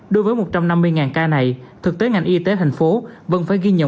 đối với một trăm năm mươi ca này thực tế ngành y tế thành phố vẫn phải ghi nhận